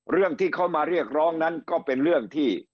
เรื่องที่เขามาเรียกร้องนั้นก็เป็นเรื่องที่